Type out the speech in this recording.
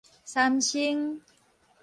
三星